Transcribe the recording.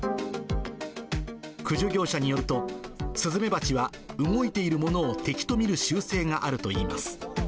駆除業者によると、スズメバチは動いているものを敵と見る習性があるといいます。